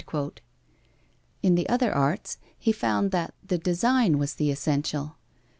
In the other arts, he found that the design was the essential.